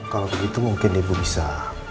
kalau begitu mungkin ibu bisa